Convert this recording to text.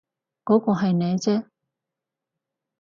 嗰個係你啫